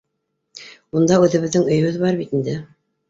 Унда үҙебеҙҙең өйөбөҙ бар бит инде.